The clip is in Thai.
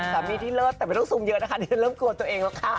สามีที่เลิศแต่ไม่ต้องซูมเยอะนะคะดิฉันเริ่มกลัวตัวเองแล้วค่ะ